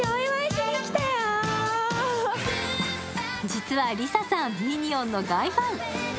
実はＬｉＳＡさん、ミニオンの大ファン。